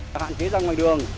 hạn chế ra ngoài đường